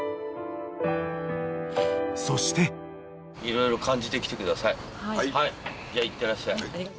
［そして］じゃあいってらっしゃい。